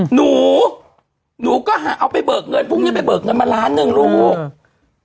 หนูหนูก็หาเอาไปเบิกเงินพรุ่งนี้ไปเบิกเงินมาล้านหนึ่งลูก